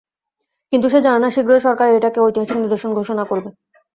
কিন্তু সে জানেনা, শীঘ্রই সরকার এইটাকে, ঐতিহাসিক নিদর্শন ঘোষণা করবে।